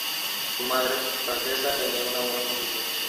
Su madre, francesa, venía de una buena familia.